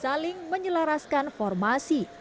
saling menyelaraskan formasi